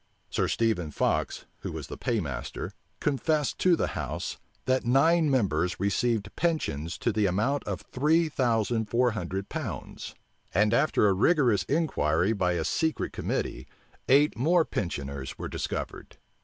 Sir Stephen Fox, who was the paymaster, confessed to the house, that nine members received pensions to the amount of three thousand four hundred pounds; and after a rigorous inquiry by a secret committee, eight more pensioners were discovered.